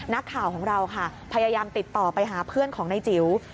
นักข่าวของเราค่ะพยายามติดต่อไปหาเพื่อนของนายจิ๋ว